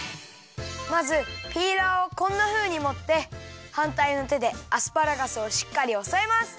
まずピーラーをこんなふうにもってはんたいのてでアスパラガスをしっかりおさえます。